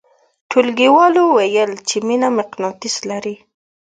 ټولګیوالو ویل چې مینه مقناطیس لري